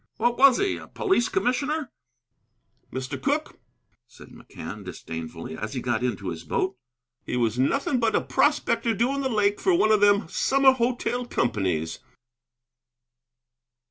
"What was he? A police commissioner?" "Mr. Cooke," said McCann, disdainfully, as he got into his boat, "he wasn't nothing but a prospector doing the lake for one of them summer hotel companies."